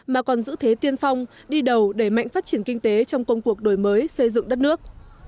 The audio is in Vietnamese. mà còn giữ thế tiên phong đi đầu đẩy mạnh phát triển kinh tế trong công cuộc đổi mới xây dựng đất nước